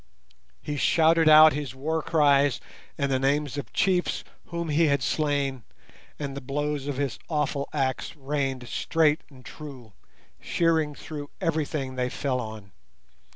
He shouted out his war cries and the names of chiefs whom he had slain, and the blows of his awful axe rained straight and true, shearing through everything they fell on.